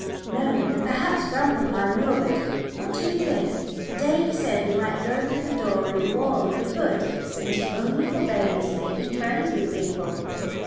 "No; and perhaps grandpapa knew of it what do you think? the day he said we might go through the door in the wall if we could. And he only forbade us making friends with people."